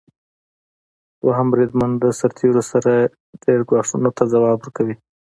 دویم بریدمن د سرتیرو سره ډیری ګواښونو ته ځواب ورکوي.